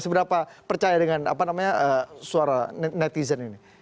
seberapa percaya dengan apa namanya suara netizen ini